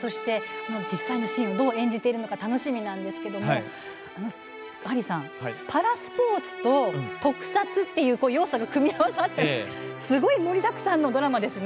実際にどう演じるのか楽しみなんですけれどもハリーさん、パラスポーツと特撮という要素が組み合わさるすごい盛りだくさんのドラマですね。